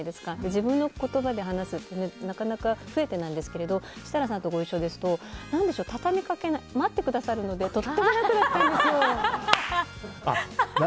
自分の言葉で話すのってなかなか不得手なんですが設楽さんと話すと待ってくださるのでとっても楽だったんですよ。